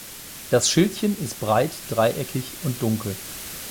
Das Schildchen ist breit dreieckig und dunkel.